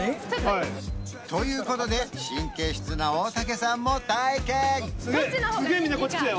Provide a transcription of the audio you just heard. はいということで神経質な大竹さんも体験すげえみんなこっち来たよ